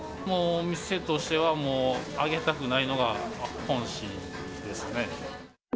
もうお店としては、もう上げたくないのが本心ですね。